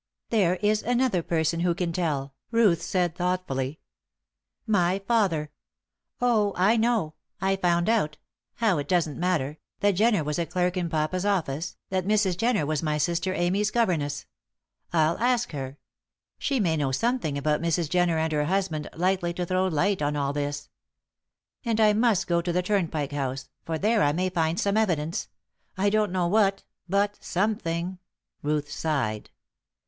"There is another person who can tell," Ruth said, thoughtfully. "My father. Oh, I know I found out how, it doesn't matter that Jenner was a clerk in papa's office, that Mrs. Jenner was my sister Amy's governess. I'll ask her. She may know something about Mrs. Jenner and her husband likely to throw light on all this. And I must go to the Turnpike House, for there I may find some evidence I don't know what but something." Ruth sighed.